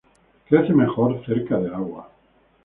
Crece mejor cerca del agua.